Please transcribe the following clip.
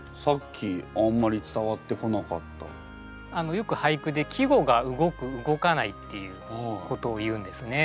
よく俳句で季語が動く動かないっていうことを言うんですね。